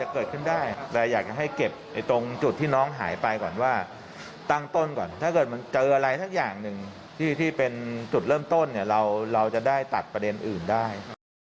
เกิดอะไรทั้งอย่างหนึ่งที่เป็นจุดเริ่มต้นเนี่ยเราจะได้ตัดประเด็นอื่นได้